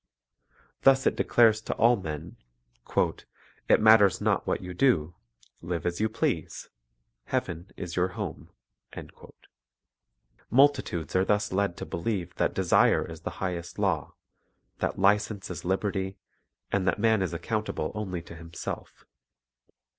Thus it declares to all men, "It matters not what you do; live as you please, heaven is your home." Multi tudes are thus led to believe that desire is the highest law, that license is liberty, and that man is accountable only to himself.